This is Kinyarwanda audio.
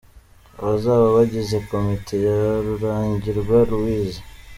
Abazaba bagize komite ya Rurangirwa Louis:.